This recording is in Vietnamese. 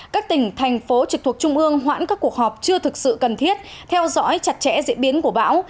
các tỉnh thành phố trực thuộc trung ương hoãn các cuộc họp chưa thực sự cần thiết theo dõi chặt chẽ diễn biến của bão